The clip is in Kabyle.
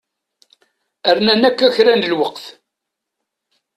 Rnan akka kra n lweqt.